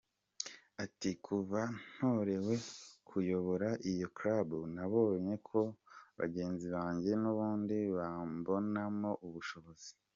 Ati “Kuva ntorewe kuyobora iyo Club, nabonye ko bagenzi banjye n’ubundi bambonamo ubushobozi.